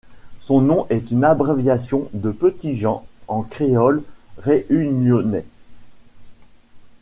Son nom est une abréviation de Petit Jean en créole réunionnais.